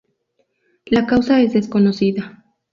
La causa es desconocida.